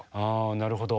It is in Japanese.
なるほど。